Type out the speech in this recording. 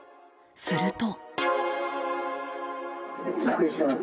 すると。